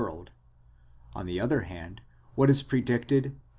world: on the other hand, what is predicted xxv.